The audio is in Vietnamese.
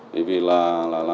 bởi vì là